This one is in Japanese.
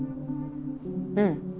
うん。